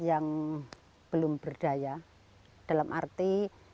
yang belum berdaya dalam arti